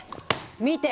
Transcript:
見て！